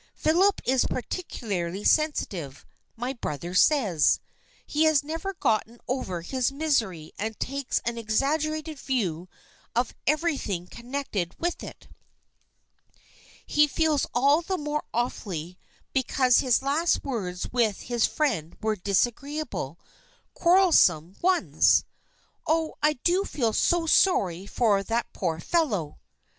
Philip is particularly sensitive, my brother says. He has never gotten over his misery and takes an exaggerated view of everything connected with it. He feels all the more awfully because his last words with his friend were disagreeable, quarrelsome ones. Oh, I do feel so sorry for that poor fellow